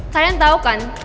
kalian tau kan